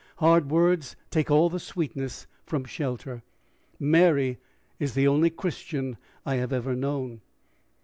Hard words take all the sweetness from shelter. Mary is the only Christian I have ever known."